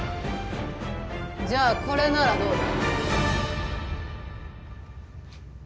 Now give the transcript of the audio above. じゃあこれならどうだ？